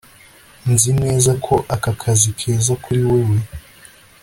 Nzi neza ko aka kazi keza kuri wewe